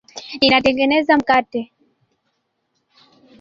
Ninatengeneza mkate.